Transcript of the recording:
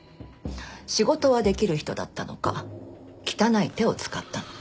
仕事はできる人だったのか汚い手を使ったのか。